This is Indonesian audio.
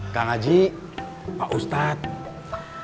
kang haji pak ustadz